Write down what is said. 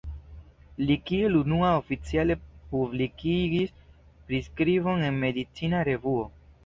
Li kiel unua oficiale publikigis priskribon en medicina revuo.